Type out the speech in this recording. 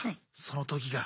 その時が。